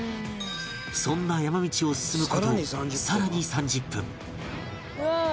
そんな山道を進む事更に３０分